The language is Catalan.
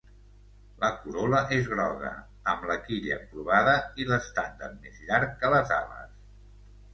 La corol·la és groga, amb la quilla corbada i l'estendard més llarg que les ales.